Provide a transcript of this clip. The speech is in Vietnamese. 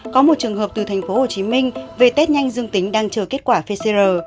có một trường hợp từ thành phố hồ chí minh về tết nhanh dương tính đang chờ kết quả pfizer